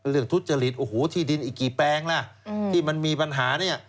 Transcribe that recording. เรื่องทุศจริตที่ดินอีกกี่แปลงล่ะที่มันมีปัญหา